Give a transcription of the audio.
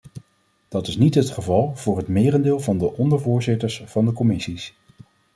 Dat is niet het geval voor het merendeel van de ondervoorzitters van de commissies.